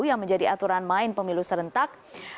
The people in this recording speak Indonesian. yang menjadi aturan main pemilu serentak